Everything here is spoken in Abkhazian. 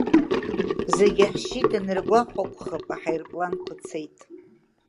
Зегьы ҳшьит аныргәахә акәхап аҳаирпланқәа цеит.